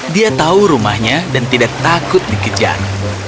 dia tahu rumahnya dan tidak takut dikejar